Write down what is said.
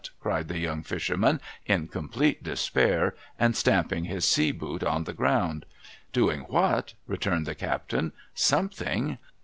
' cried the young fisherman, in complete despair, and stamjjing his sea boot on the ground. ' Doing what ?' returned the captain. * Something